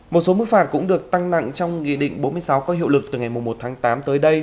một số mức phạt cũng được tăng nặng trong nghị định bốn mươi sáu có hiệu lực từ ngày một tháng tám tới đây